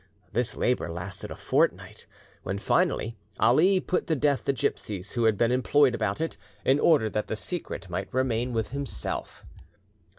This labour lasted a fortnight, when, finally, Ali put to death the gipsies who had been employed about it, in order that the secret might remain with himself.